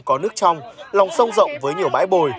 có nước trong lòng sông rộng với nhiều bãi bồi